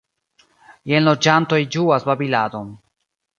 Jen loĝantoj ĝuas babiladon.